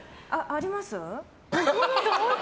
あります！